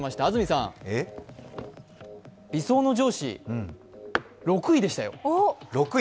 安住さん、理想の上司、６位でしたよ。